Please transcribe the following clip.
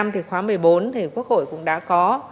thì quốc hội cũng đã có